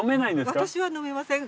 私は飲めません。